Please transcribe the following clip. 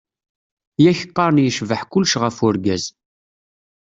Yak qqaren yecbeḥ kulec ɣef urgaz.